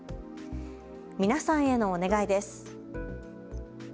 皆さんへのお願いです。